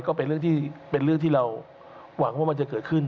ก็เป็นเรื่องที่เป็นเรื่องที่เราหวังว่ามันจะเกิดขึ้น